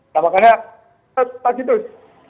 nah makanya setelah pagi terus